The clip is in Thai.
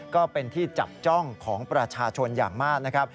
ก็เป็นที่จับจ้องของประชาชนอย่างมากนะครับ